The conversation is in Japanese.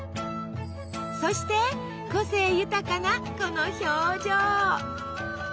そして個性豊かなこの表情。